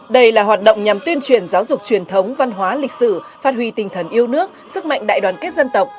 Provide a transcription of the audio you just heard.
đây là hoạt động nhằm tuyên truyền giáo dục truyền thống văn hóa lịch sử phát huy tinh thần yêu nước sức mạnh đại đoàn kết dân tộc